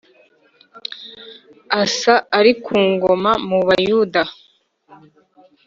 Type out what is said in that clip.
Asa ari ku ngoma mu Buyuda